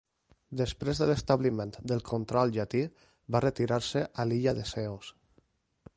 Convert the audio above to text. Després de l'establiment del control Llatí, va retirar-se a l'illa de Ceos.